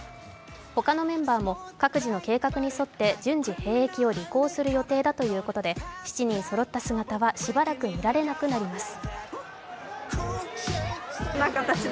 他のメンバーも各自の計画に沿って、順次、兵役を履行する予定だということで７人そろった姿は、しばらく見られなくなります。